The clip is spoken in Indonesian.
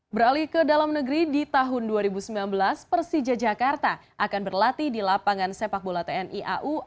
beralih ke dalam negeri di tahun dua ribu sembilan belas persija jakarta akan berlatih di lapangan sepak bola tni au